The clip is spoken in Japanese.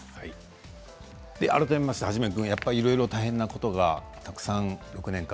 改めまして、ハジメ君いろいろ大変なことがたくさん６年間。